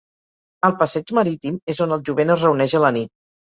Al passeig marítim és on el jovent es reuneix a la nit.